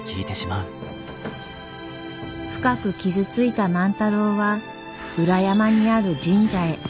深く傷ついた万太郎は裏山にある神社へ。